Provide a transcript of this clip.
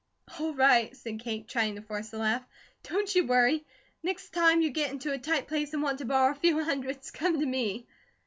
'" "All right," said Kate, trying to force a laugh. "Don't you worry. Next time you get into a tight place and want to borrow a few hundreds, come to me."